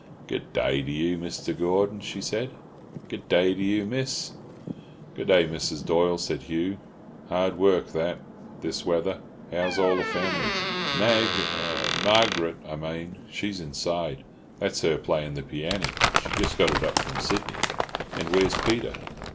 "Good daah to you, Misther Gordon," she said. "Good daah to you, Miss." "Good day, Mrs. Doyle," said Hugh. "Hard work that, this weather. How's all the family?" "Mag—Marg'rut, I mane—she's inside. That's her playin' the pianny. She just got it up from Sydney." "And where's Peter?"